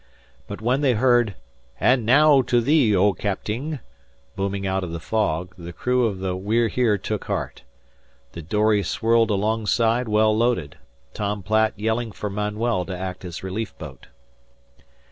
But when they heard, "And naow to thee, O Capting," booming out of the fog, the crew of the We're Here took heart. The dory swirled alongside well loaded, Tom Platt yelling for Manuel to act as relief boat.